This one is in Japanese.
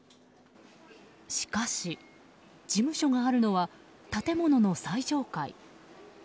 しかし事務所があるのは建物の最上階。